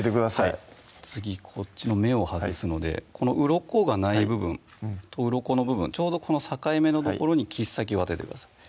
はい次こっちの目を外すのでこのうろこがない部分とうろこの部分ちょうどこの境目の所に切っ先を当ててください